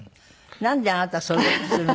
なんであなたはそういう事をするの？